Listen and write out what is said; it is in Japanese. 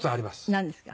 なんですか？